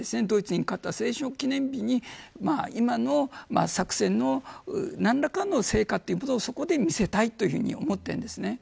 ドイツに勝った戦勝記念日に今の作戦の何らかの成果というものをそこで見せたいと思っているんです。